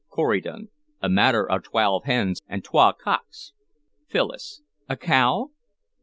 Corydon. "A matter of twalve hens and twa cocks." Phyllis. "A cow?"